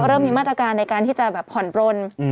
เริ่มมีมาตรการในการที่จะแบบผ่อนปลน